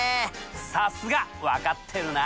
さすが分かってるな。